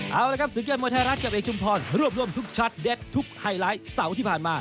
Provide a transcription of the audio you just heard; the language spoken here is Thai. เอาละครับศึกยอดมวยไทยรัฐกับเอกชุมพรรวบรวมทุกชัดเด็ดทุกไฮไลท์เสาร์ที่ผ่านมา